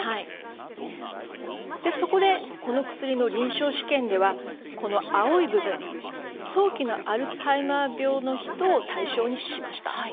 そこで、この薬の臨床試験ではこの青い部分早期のアルツハイマー病の人を対象にしました。